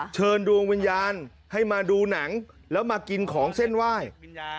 เชิญดวงวิญญาณให้มาดูหนังแล้วมากินของเส้นไหว้